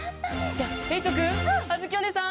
じゃあえいとくんあづきおねえさん